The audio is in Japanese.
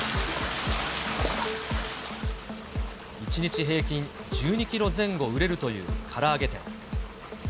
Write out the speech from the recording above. １日平均１２キロ前後売れるというから揚げ店。